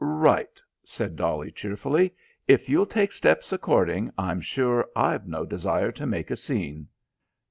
"Right," said Dolly cheerfully. "If you'll take steps according, I'm sure I've no desire to make a scene."